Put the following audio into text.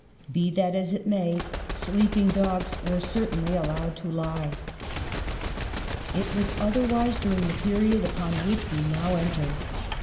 Be that as it may, ''sleeping dogs" were certainly allowed to lie. It was otherwise during the period upon which we now enter.